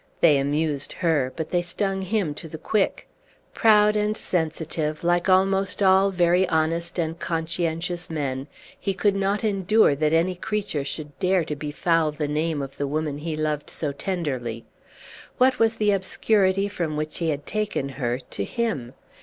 They amused her, but they stung him to the quick. Proud and sensitive, like almost all very honest and conscientious men, he could not endure that any creature should dare to befoul the name of the woman he loved so tenderly. What was the obscurity from which he had taken her to him?